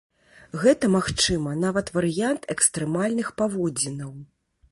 Гэта, магчыма, нават варыянт экстрэмальных паводзінаў.